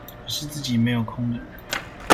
可是自己沒有空的人